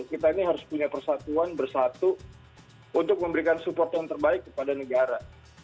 kita ini harus punya persatuan bersatu untuk memberikan support yang terbaik kepada negara